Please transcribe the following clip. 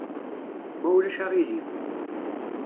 Ma ulac aɣilif.